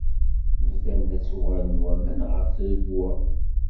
Bdan la ttuɣalen waman ɣer tregwa.